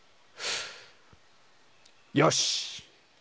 よし！